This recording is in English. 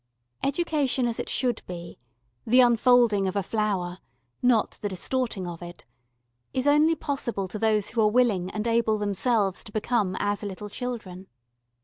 Education as it should be, the unfolding of a flower, not the distorting of it, is only possible to those who are willing and able themselves to become as little children.